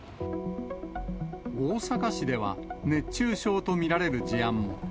大阪市では、熱中症と見られる事案も。